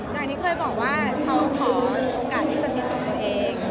อย่างที่เคยบอกว่าเขาขอโอกาสที่จะพิสูจน์ตัวเอง